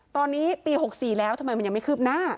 ตอนนี้ปี๖๔แล้วทำไมมันยังไม่คืบหน้า